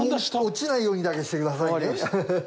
落ちないようにだけしてくださいね。